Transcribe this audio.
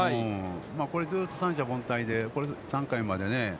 これずうっと三者凡退で、これで３回までね。